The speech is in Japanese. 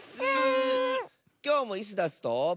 きょうもイスダスと。